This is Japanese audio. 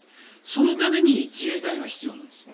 そのために自衛隊が必要なんです。